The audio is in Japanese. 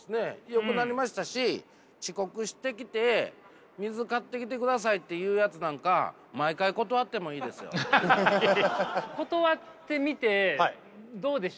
よくなりましたし遅刻してきて水買ってきてくださいっていうやつなんか断ってみてどうでした？